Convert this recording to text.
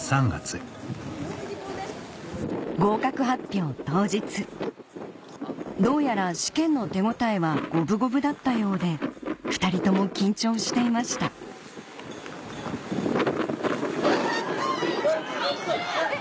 合格発表当日どうやら試験の手応えは五分五分だったようで２人とも緊張していました・やった！あった！